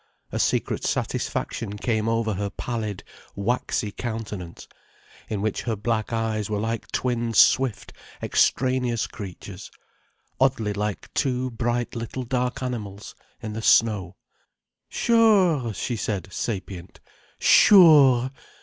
A secret satisfaction came over her pallid, waxy countenance, in which her black eyes were like twin swift extraneous creatures: oddly like two bright little dark animals in the snow. "Sure!" she said, sapient. "Sure!